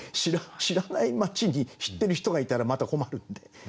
知らない町に知ってる人がいたらまた困るんで。